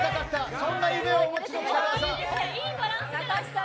そんな夢をお持ちの北川さん。